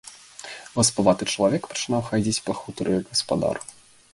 Васпаваты чалавек пачынаў хадзіць па хутары, як гаспадар.